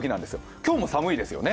今日も寒いですよね。